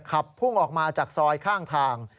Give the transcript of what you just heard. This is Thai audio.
ขับพุ่งออกมาจากซอยข้างทาง